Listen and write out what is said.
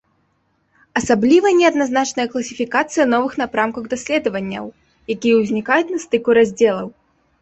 Асабліва неадназначная класіфікацыя новых напрамкаў даследаванняў, якія ўзнікаюць на стыку раздзелаў.